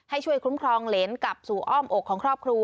ให้ช่วยคุ้มครองเหรนกลับสู่อ้อมอกของครอบครัว